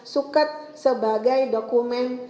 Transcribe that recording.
suket sebagai dokumen